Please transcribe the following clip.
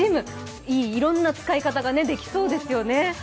いろんな使い方ができそうですよね。